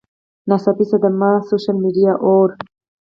ناڅاپي صدمه ، سوشل میډیا اوور